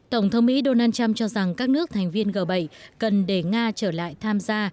tổng thống mỹ donald trump cho rằng các nước thành viên g bảy cần để nga trở lại tham gia